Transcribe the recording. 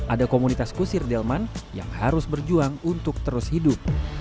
ada komunitas kusir delman yang harus berjuang untuk terus hidup